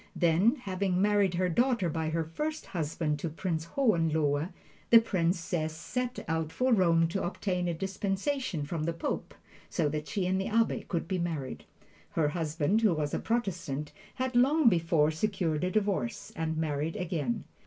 Then, having married her daughter by her first husband to Prince Hohenlohe, the Princess set out for Rome to obtain a dispensation from the Pope, so she and the Abbe could be married. Her husband, who was a Protestant, had long before secured a divorce and married again.